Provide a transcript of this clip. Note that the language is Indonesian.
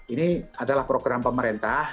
ini adalah program pemerintah